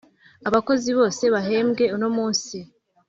abakozi bose bahembwe uno munsi